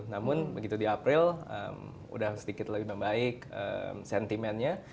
namun begitu di april sudah sedikit lebih membaik sentimennya